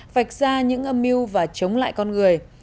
vạch ra những âm mưu và chống lại con người